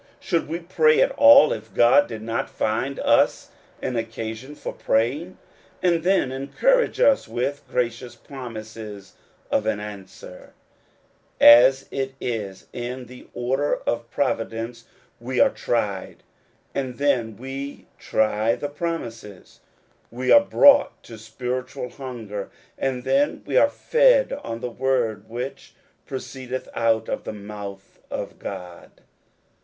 Should we pray at all if God did not find us an occasion for praying, and then encourage us with gracious promises of an answer ? As it is, in the order of providence we are tried, and then we try the promises ; we are brought to spiritual hunger, and then we are fed on the word which proceedeth out of the mouth of God.